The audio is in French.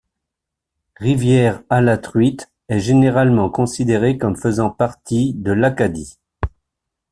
Rivière-à-la-Truite est généralement considérée comme faisant partie de l'Acadie.